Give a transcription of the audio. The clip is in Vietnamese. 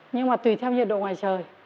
nhưng mà tùy theo nhiệt độ ngoài trời